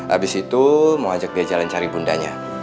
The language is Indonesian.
abis itu mau ajak dia jalan cari bundanya